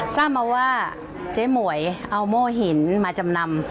ทราบมาว่าเจ๊หมวยเอาโม่หินมาจำนำ